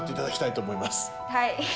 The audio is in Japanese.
はい。